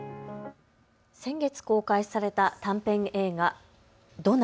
先月公開された短編映画、ＤＯＮＯＲ。